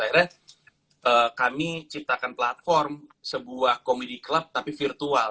akhirnya kami ciptakan platform sebuah comedy club tapi virtual